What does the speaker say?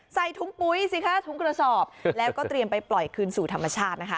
ใส่ถุงปุ๊ยสิคะถุงกระสอบแล้วก็เตรียมไปปล่อยคืนสู่ธรรมชาตินะคะ